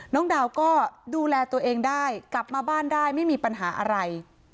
น้องดาวก็ดูแลตัวเองได้กลับมาบ้านได้ไม่มีปัญหาอะไร